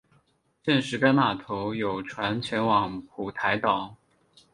现时该码头有船前往蒲台岛。